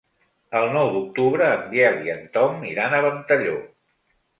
El nou d'octubre en Biel i en Tom iran a Ventalló.